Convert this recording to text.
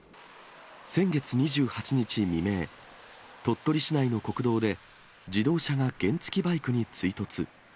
先月２８日未明、鳥取市内の国道で自動車が原付きバイクに追突。